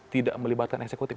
tidak melibatkan eksekutif